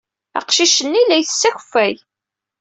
Aqcic-nni la ittess akeffay.